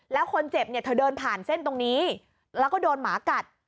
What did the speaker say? แล้วคนเจ็บเนี่ยเธอเดินผ่านเส้นตรงนี้แล้วก็โดนหมากัด